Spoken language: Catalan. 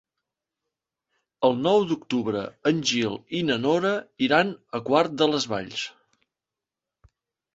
El nou d'octubre en Gil i na Nora iran a Quart de les Valls.